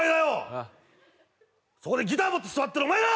ああそこでギター持って座ってるお前だ！